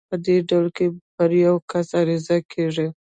په دې ډول کې پر يو کس عريضه کېږي.